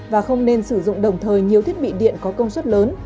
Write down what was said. và không nên sử dụng đồng thời nhiều thiết bị điện có công suất lớn